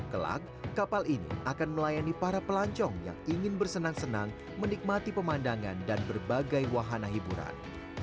kelak kapal ini akan melayani para pelancong yang ingin bersenang senang menikmati pemandangan dan berbagai wahana hiburan